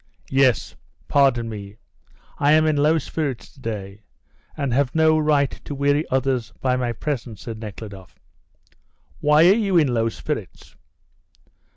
"Yes; pardon me, I am in low spirits to day, and have no right to weary others by my presence," said Nekhludoff. "Why are you in low spirits?"